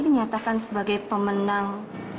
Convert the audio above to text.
dinyatakan sebagai pemenang